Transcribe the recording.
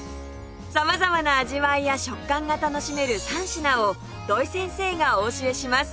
様々な味わいや食感が楽しめる３品を土井先生がお教えします